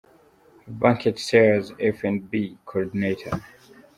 Banquet Sales F & B Coordinator.